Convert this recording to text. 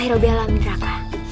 herobial amin raka